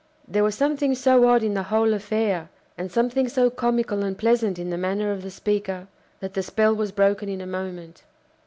There was something so odd in the whole affair, and something so comical and pleasant in the manner of the speaker, that the spell was broken in a moment.